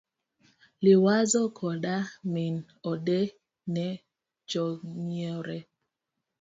Liwazo koda min ode ne jong'iyore